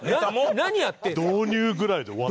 何やってんすか！